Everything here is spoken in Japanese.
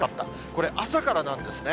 これ朝からなんですね。